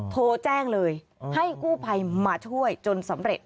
โทรแจ้งเลยให้กู้ภัยมาช่วยจนสำเร็จ